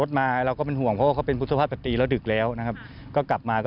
สวัสดีครับ